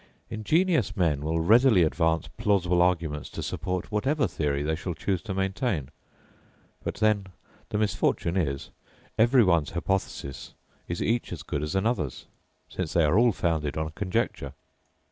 Ingenious men will readily advance plausible arguments to support whatever theory they shall choose to maintain; but then the misfortune is, every one's hypothesis is each as good as another's, since they are all founded on conjecture.